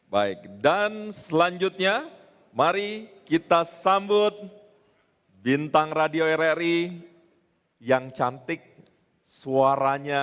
baik dan selanjutnya mari kita sambut bintang radio rri yang cantik suaranya